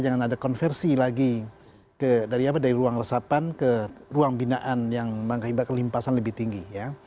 jangan ada konversi lagi dari ruang resapan ke ruang binaan yang mengakibat kelimpasan lebih tinggi ya